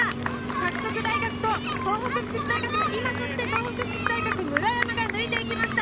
拓殖大学と東北福祉大学、そして今、東北福祉大学・村山が抜いていきました。